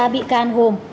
ba bị can gồm